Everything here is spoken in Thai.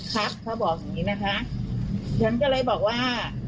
ครับเขาบอกอย่างนี้นะคะฉันก็เลยบอกว่า